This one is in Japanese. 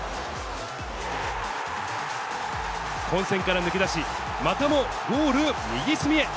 混戦から抜け出し、またもゴール右隅へ。